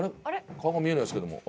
顔が見えないですけども。